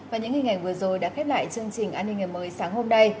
và những hình ảnh vừa rồi đã khép lại chương trình an ninh ngày mới sáng hôm nay